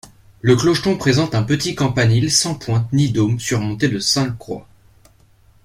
Le clocheton présente un petit campanile sans pointe ni dôme, surmonté de cinq croix.